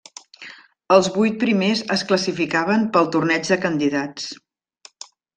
Els vuit primers es classificaven pel torneig de candidats.